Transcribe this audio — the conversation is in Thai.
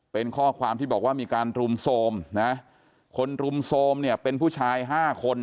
เป็นข้อความที่บอกว่ามีการรุมโทรมนะคนรุมโทรมเนี่ยเป็นผู้ชายห้าคน